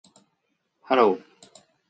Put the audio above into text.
Hello